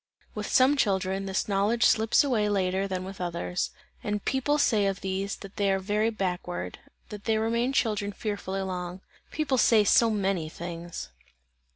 With some children, this knowledge slips away later than with others, and people say of these, that they are very backward, that they remain children fearfully long. People say so many things!